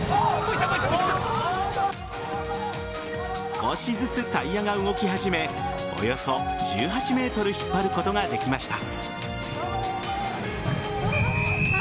少しずつタイヤが動き始めおよそ１８ｍ引っ張ることができました。